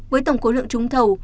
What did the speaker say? với tổng cố lượng trúng thầu